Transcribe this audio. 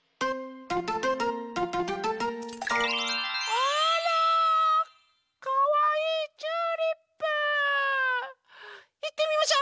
あらかわいいチューリップ！いってみましょ！